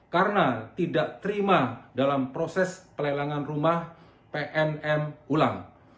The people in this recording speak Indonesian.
karena tidak terima dalam proses pelelangan rumah pnm ulang